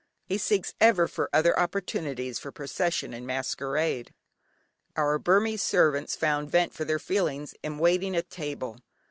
He seeks ever for other opportunities for procession and masquerade. Our Burmese servants found vent for their feelings in waiting at table.